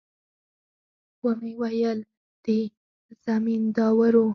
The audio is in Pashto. ومې ويل د زمينداورو.